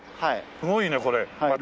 すごいねこれ。